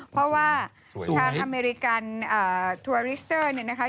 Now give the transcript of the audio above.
เพราะว่าทางทูอิสเตอร์นะคะ